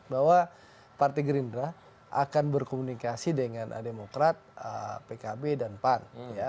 bahwa partai gerindra akan berkomunikasi dengan demokrat pkb dan pan